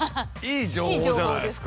いい情報じゃないですか